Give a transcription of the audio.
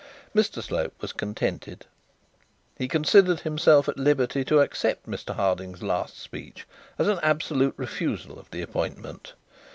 Mr Slope was contented. He considered himself at liberty to accept Mr Harding's last speech as an absolute refusal of the appointment.